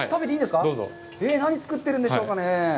ええ、何作ってるんでしょうかね。